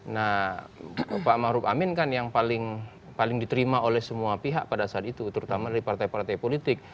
nah pak ⁇ maruf ⁇ amin kan yang paling diterima oleh semua pihak pada saat itu terutama dari partai partai politik